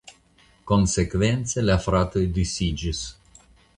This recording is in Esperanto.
Konsekvence la fratoj disiĝis.